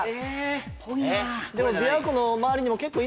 ・ぽいなあ